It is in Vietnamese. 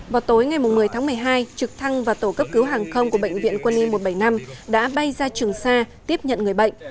vào tối ngày một mươi tháng một mươi hai trực thăng và tổ cấp cứu hàng không của bệnh viện quân y một trăm bảy mươi năm đã bay ra trường sa tiếp nhận người bệnh